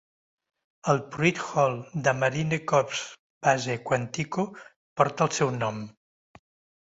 El Pruitt Hall de Marine Corps Base Quantico porta el seu nom.